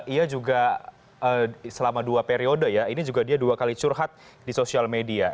ia juga selama dua periode ya ini juga dia dua kali curhat di sosial media